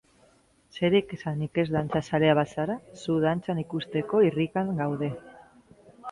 Zer esanik ez dantza zalea bazara, zu dantzan ikusteko irrikan gaude!